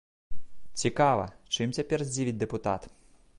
Цікава, чым цяпер здзівіць дэпутат?